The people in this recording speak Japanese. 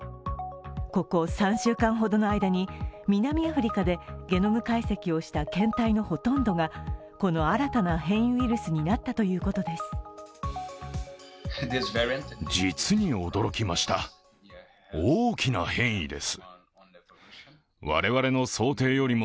ここ３週間ほどの間に南アフリカでゲノム解析をした検体のほとんどがこの新たな変異ウイルスになったということです。